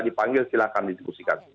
dipanggil silahkan diskusikan